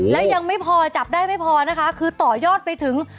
แล้วยังไม่พอจับได้ไม่พอนะคะคือต่อยอดไปถึง